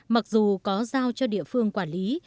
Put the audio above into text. mặc dù có giao cho địa phương quản lý